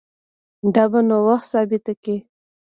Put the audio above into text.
دا به نو وخت ثابته کړي